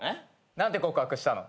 何て告白したの？